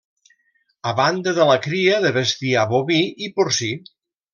A banda de la cria de bestiar boví i porcí.